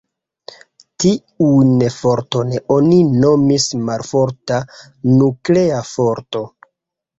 Tiun forton oni nomis malforta nuklea forto.